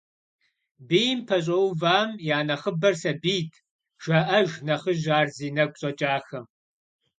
Бийм пэщӏэувам я нэхъыбэр сабийт, – жаӏэж нэхъыжь ар зи нэгу щӏэкӏахэм.